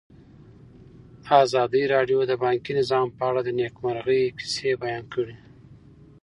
ازادي راډیو د بانکي نظام په اړه د نېکمرغۍ کیسې بیان کړې.